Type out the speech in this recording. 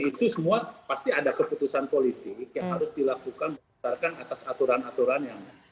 itu semua pasti ada keputusan politik yang harus dilakukan berdasarkan atas aturan aturan yang